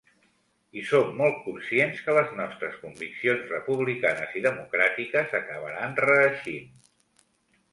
I som molt conscients que les nostres conviccions republicanes i democràtiques acabaran reeixint.